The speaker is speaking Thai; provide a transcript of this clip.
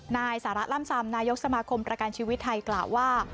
นายสาระล่ำซำนายกสมาคมประกันชีวิตไทยกล่าวว่า